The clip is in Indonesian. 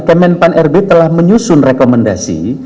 kemenpan rb telah menyusun rekomendasi